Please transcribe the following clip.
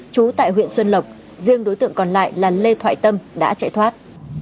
trú tại huyện xuân lộc riêng đối tượng còn lại là lê thoại tâm đã chạy thoát